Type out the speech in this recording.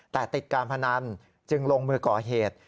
แต่ติดการพนันจึงลงมือก่อเหตุ